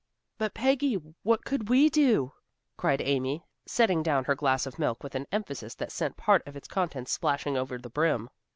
"But, Peggy, what could we do?" cried Amy, setting down her glass of milk with an emphasis that sent part of its contents splashing over the brim.